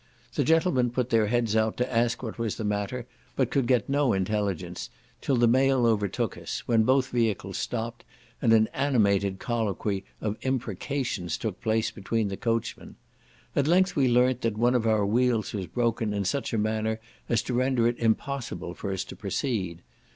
The gentlemen put their heads out, to ask what was the matter, but could get no intelligence, till the mail overtook us, when both vehicles stopped, and an animated colloquy of imprecations took place between the coachmen. At length we learnt that one of our wheels was broken in such a manner as to render it impossible for us to proceed.